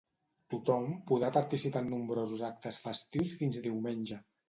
Tothom podrà participar en nombrosos actes festius fins diumenge.